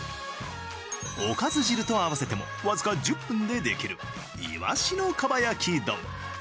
おかず汁と合わせてもわずか１０分でできるいわしの蒲焼き丼。